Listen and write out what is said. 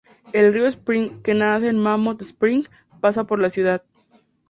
El río Spring, que nace en Mammoth Spring, pasa por la ciudad.